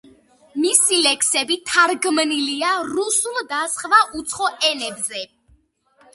მისი ლექსები თარგმნილია რუსულ და სხვა უცხო ენებზე.